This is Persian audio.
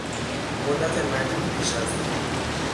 مدت مدیدی پیش از این